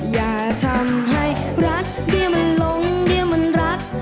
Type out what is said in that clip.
อย่าทำให้รักเบี้ยมันลงเดียมันรัก